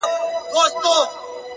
هره ورځ د اصلاح نوې موقع ده!